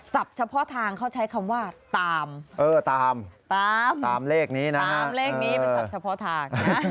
เฉพาะทางเขาใช้คำว่าตามเออตามตามเลขนี้นะตามเลขนี้เป็นศัพท์เฉพาะทางนะ